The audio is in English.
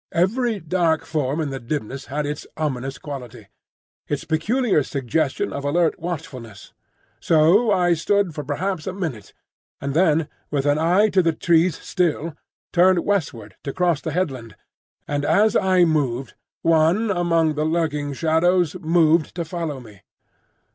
Every dark form in the dimness had its ominous quality, its peculiar suggestion of alert watchfulness. So I stood for perhaps a minute, and then, with an eye to the trees still, turned westward to cross the headland; and as I moved, one among the lurking shadows moved to follow me.